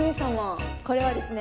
これはですね。